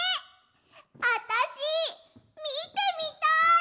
あたしみてみたい！